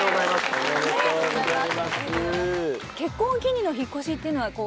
ありがとうございます！